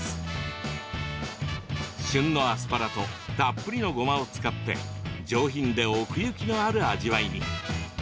旬のアスパラとたっぷりのごまを使って上品で奥行きのある味わいに。